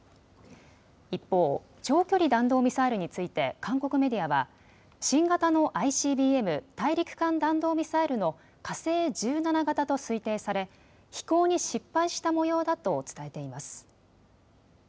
一方、長距離弾道ミサイルについて韓国メディアは新型のＩＣＢＭ・大陸間弾道ミサイルの火星１７型と推定され飛行に失敗したもようだと伝えています。